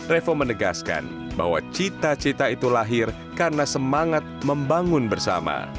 revo menegaskan bahwa cita cita itu lahir karena semangat membangun bersama